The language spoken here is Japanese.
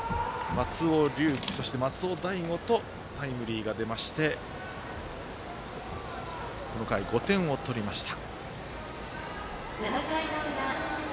松尾龍樹、そして松尾大悟とタイムリーが出ましてこの回、５点を取りました。